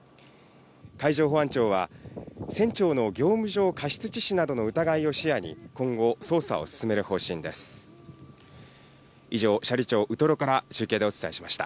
海上保安庁は船長の業務上過失致死などの疑いを視野に今後、捜査を進める方針です。